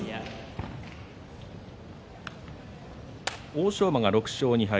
欧勝馬が６勝２敗